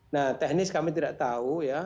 nah teknis kami tidak tahu ya